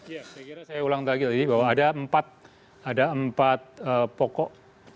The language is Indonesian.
ya saya kira saya ulang lagi tadi bahwa ada empat pokok